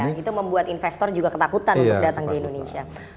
itu membuat investor juga ketakutan untuk datang ke indonesia